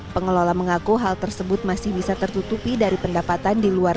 pengelola mengaku hal tersebut masih bisa tertutupi dari pendapatan di luar